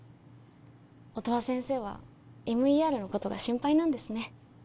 音羽先生はＭＥＲのことが心配なんですね